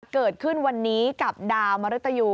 เกิดขึ้นวันนี้กับดาวมริตยู